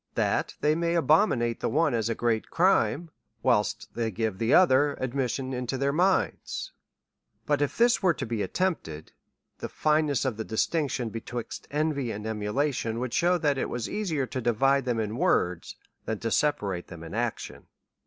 That they may abominate the one as a great crime, whilst they give the other admission into their minds. But if this were to be attempted, the fineness of the distinction betwixt envy and emulation, would shew that it was easier to divide them into words, than to separate them in action.